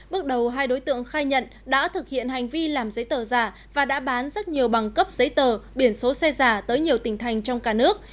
bước đầu hai đối tượng khai nhận đã thực hiện hành vi làm giấy tờ giả và đã bán rất nhiều bằng cấp giấy tờ biển số xe giả tới nhiều tỉnh thành trong cả nước